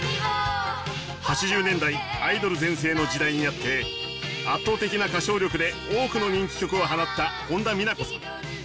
８０年代アイドル全盛の時代にあって圧倒的な歌唱力で多くの人気曲を放った本田美奈子．さん。